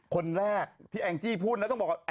คนแรกที่แองจี้พูดนะต้องบอกว่า